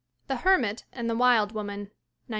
The Hermit and the Wild Woman, 1908.